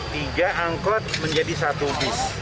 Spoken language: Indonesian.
tiga angkot menjadi satu bis